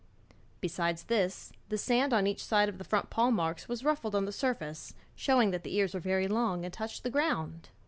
Besides this, the sand on each side of the front paw marks was ruffled on the surface, showing that the ears were very long and touched the ground.